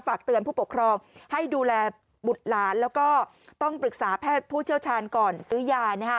ฝากเตือนผู้ปกครองให้ดูแลบุตรหลานแล้วก็ต้องปรึกษาแพทย์ผู้เชี่ยวชาญก่อนซื้อยา